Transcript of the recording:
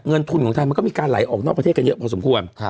เงินทุนของไทยมันก็มีการไหลออกนอกประเทศกันเยอะพอสมควร